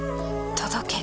届け。